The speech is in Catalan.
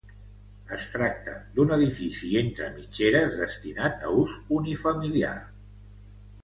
Es tracta d'un edifici entre mitgeres destinat a ús unifamiliar.